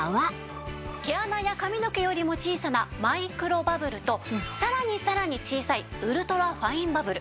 毛穴や髪の毛よりも小さなマイクロバブルとさらにさらに小さいウルトラファインバブル。